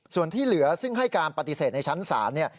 ส่วนที่เหลือซึ่งให้การปฏิเสธในชั้นศาลเนี่ย